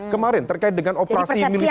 kemarin terkait dengan operasi militer